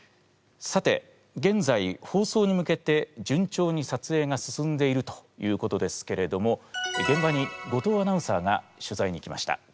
さて現在放送に向けて順調にさつえいが進んでいるということですけれども現場に後藤アナウンサーが取材に行きました。